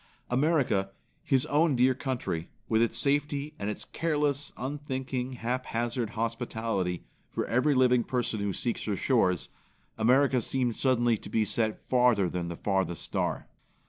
America, his own dear country, with its safety and its careless, unthinking haphazard hospitality for every living person who seeks her shores; America seemed suddenly to be set farther than the farthest star.